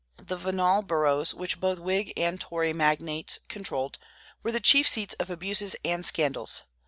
The venal boroughs, which both Whig and Tory magnates controlled, were the chief seats of abuses and scandals.